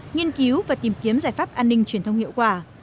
nghiên cứu và tìm kiếm giải pháp an ninh truyền thông hiệu quả